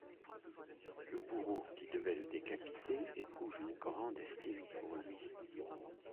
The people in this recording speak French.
Le bourreau qui devait le décapiter, éprouve une grande estime pour lui.